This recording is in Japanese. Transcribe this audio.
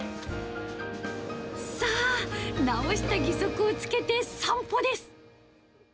さあ、直した義足をつけて散歩です。